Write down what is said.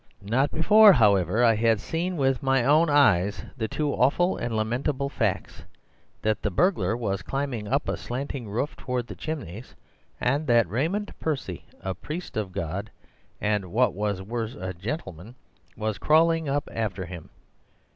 Not before, however, I had seen with my own eyes the two awful and lamentable facts— that the burglar was climbing up a slanting roof towards the chimneys, and that Raymond Percy (a priest of God and, what was worse, a gentleman) was crawling up after him.